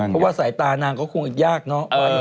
เพราะว่าสายตานางก็คงยากเนอะ